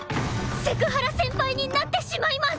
セクハラ先輩になってしまいます！